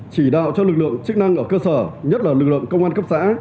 chỉ đạo cho lực lượng chức năng ở cơ sở nhất là lực lượng công an cấp xã